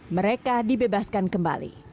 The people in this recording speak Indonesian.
mereka dibebaskan kembali